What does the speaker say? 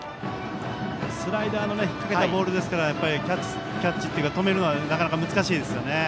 スライダーの引っかけたボールなのでキャッチというか止めるのはなかなか難しいですね。